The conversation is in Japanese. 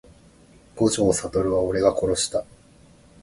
五条悟は俺が殺した…